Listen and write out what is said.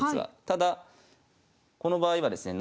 ただこの場合はですね